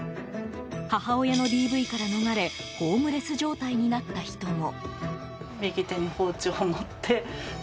母親のＤＶから逃れホームレス状態になった人も。